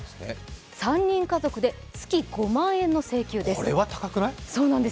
３人家族で月５万円の請求です。